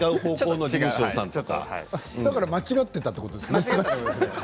だから間違っていたということですね。